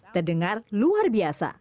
terdengar luar biasa